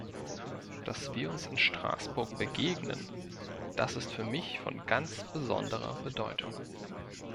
Dass wir uns in Straßburg begegnen, das ist für mich von ganz besonderer Bedeutung.